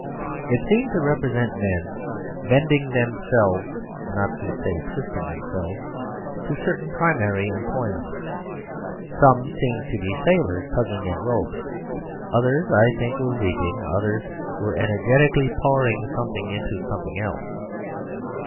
It seemed to represent men bending themselves (not to say twisting themselves) to certain primary employments. Some seemed to be sailors tugging at ropes; others, I think, were reaping; others were energetically pouring something into something else.